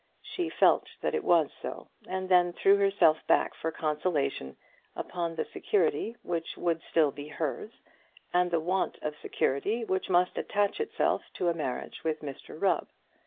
She felt that it was so, and then threw herself back for consolation upon the security which would still be hers, and the want of security which must attach itself to a marriage with Mr Rubb.